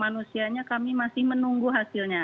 manusianya kami masih menunggu hasilnya